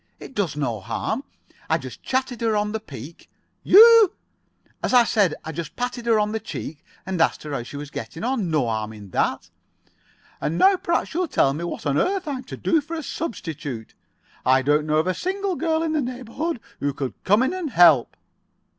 It does no harm. I just chatted her on the peak——" "You——?" "As I said, I just patted her on the cheek, and asked her how she was getting on. No harm in that." "And now perhaps you'll tell me what on earth I'm to do for a substitute. I don't know of a single girl in this neighborhood who could come in and help."